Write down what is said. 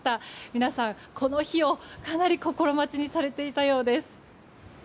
皆さん、この日をかなり心待ちにされていたようです。